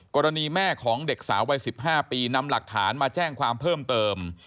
กรณีแม่ของเด็กสาววัย๑๕ปีนำหลักฐานมาแจ้งความเพิ่มเติม